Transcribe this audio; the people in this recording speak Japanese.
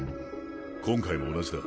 今回も同じだ。